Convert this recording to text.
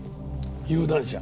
有段者？